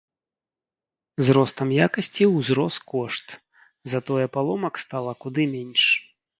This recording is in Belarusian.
З ростам якасці узрос кошт, затое паломак стала куды менш.